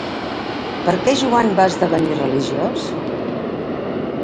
Per què Joan va esdevenir religiós?